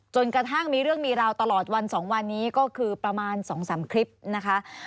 จนกระทั่งมีเรื่องมีราวตลอดวัน๒วันนี้ก็คือประมาณ๒๓คลิปนะคะ